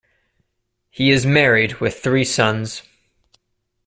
He is married with three sons.